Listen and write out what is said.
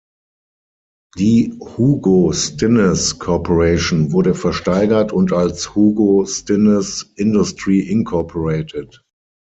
Die Hugo Stinnes Corporation wurde versteigert und als "Hugo Stinnes Industrie Inc.